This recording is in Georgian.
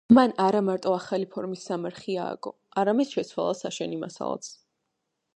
მან არა მარტო ახალი ფორმის სამარხი ააგო, არამედ შეცვალა საშენი მასალაც.